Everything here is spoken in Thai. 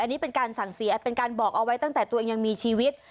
อันนี้เป็นการสั่งเสียเป็นการบอกเอาไว้ตั้งแต่ตัวเองยังมีชีวิต